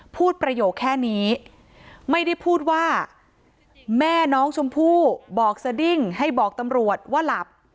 ประโยคแค่นี้ไม่ได้พูดว่าแม่น้องชมพู่บอกสดิ้งให้บอกตำรวจว่าหลับ